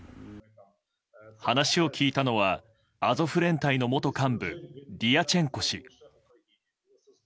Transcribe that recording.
話を聞いたのはアゾフ連隊の元幹部ディヤチェンコ氏。